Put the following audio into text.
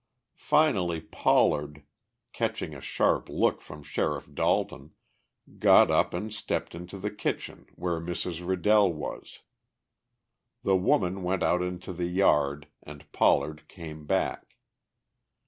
Finally Pollard, catching a sharp look from Sheriff Dalton, got up and stepped into the kitchen where Mrs. Riddell was. The woman went out into the yard and Pollard came back.